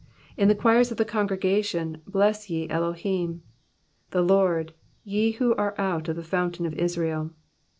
27 In the choirs of the congregation bless ye Elohim, The Lord, ye who are out of the fountain of Israel.